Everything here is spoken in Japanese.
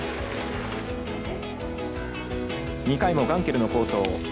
２回もガンケルの好投。